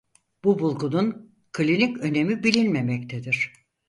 Bu bulgunun klinik önemi bilinmemektedir.